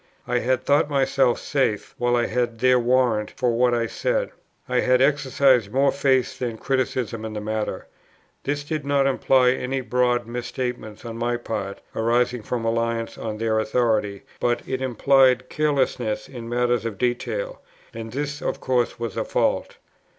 I had thought myself safe, while I had their warrant for what I said. I had exercised more faith than criticism in the matter. This did not imply any broad misstatements on my part, arising from reliance on their authority, but it implied carelessness in matters of detail. And this of course was a fault.